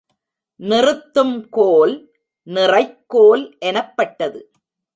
நிறுத்தும் கோல் நிறைக்கோல் எனப்பட்டது.